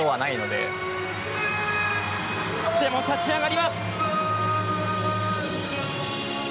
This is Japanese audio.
でも、立ち上がります。